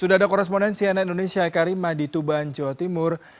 sudah ada korespondensi ann indonesia eka rima di tuban jawa timur